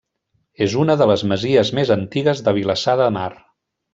És una de les masies més antigues de Vilassar de Mar.